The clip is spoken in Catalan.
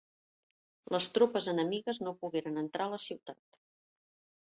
Les tropes enemigues no pogueren entrar a la ciutat.